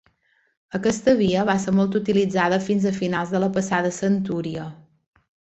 Aquesta via va ser molt utilitzada fins a finals de la passada centúria.